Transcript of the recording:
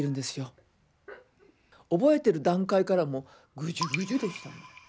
覚えてる段階からもうグジュグジュでした。